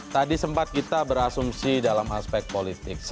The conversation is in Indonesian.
tadi sempat kita berasumsi dalam aspek politik